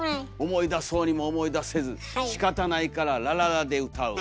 「思いだそうにも思いだせず仕方ないからラララで歌う」。